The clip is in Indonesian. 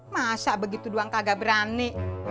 masa begitu doang kagak berani